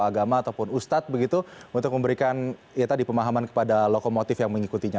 agama ataupun ustadz begitu untuk memberikan ya tadi pemahaman kepada lokomotif yang mengikutinya